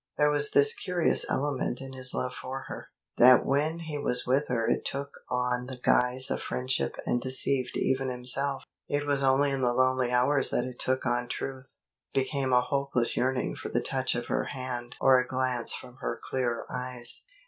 There was this curious element in his love for her, that when he was with her it took on the guise of friendship and deceived even himself. It was only in the lonely hours that it took on truth, became a hopeless yearning for the touch of her hand or a glance from her clear eyes.